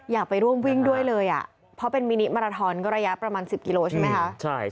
อยากไปร่วมวิ่งด้วยเลยอ่ะเพราะเป็นมินิมาราทอนก็ระยะประมาณ๑๐กิโลใช่ไหมคะ